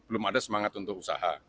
belum ada semangat untuk usaha